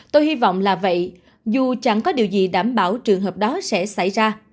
tôi hy vọng là vậy dù chẳng có điều gì đảm bảo trường hợp đó sẽ xảy ra